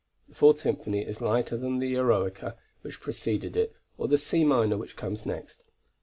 The Fourth Symphony is lighter than the "Eroica" which preceded it, or the C minor which comes next.